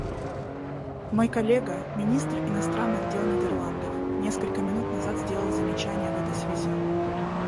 Мой коллега, министр иностранных дел Нидерландов, несколько минут назад сделал замечание в этой связи.